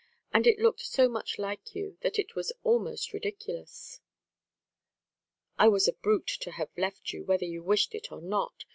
"And it looked so much like you that it was almost ridiculous." "I was a brute to have left you, whether you wished it or not.